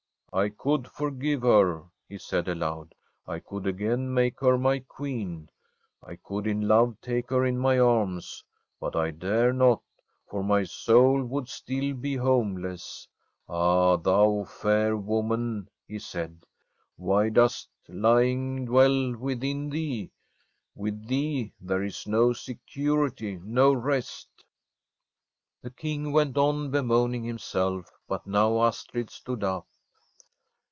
' I could forgive her,* he said aloud. ' I could again make her my Queen, I could in love take her in my arms; but I dare not, for my soul would still be homeless. Ah, thou fair woman,' he said, * why dost lying dwell within thee ? With thee there is no security, no rest.' The King went on bemoaning himself, but now Astrid stood up.